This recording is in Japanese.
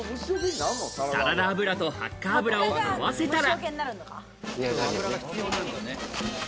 サラダ油とハッカ油を合わせたら。